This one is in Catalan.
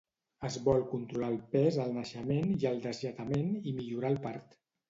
Es vol controlar el pes al naixement i el deslletament i millorar el part.